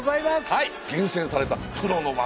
はい厳選されたプロの技。